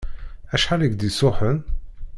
Acḥal i k-d-isuḥen?